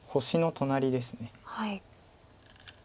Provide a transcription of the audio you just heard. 星の隣です。